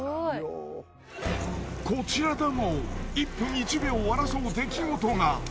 こちらでも１分１秒を争う出来事が！